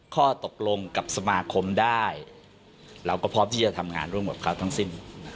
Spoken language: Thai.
ข้อตกลงกับสมาคมได้เราก็พร้อมที่จะทำงานร่วมกับเขาทั้งสิ้น